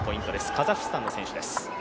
カザフスタンの選手です。